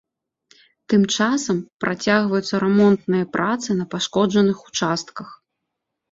Тым часам, працягваюцца рамонтныя працы на пашкоджаных участках.